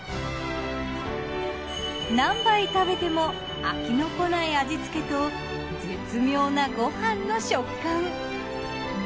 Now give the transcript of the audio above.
何杯食べても飽きのこない味付けと絶妙なご飯の食感。